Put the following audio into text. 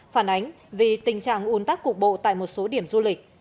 phản ánh vì tình trạng un tắc cục bộ tại một số điểm du lịch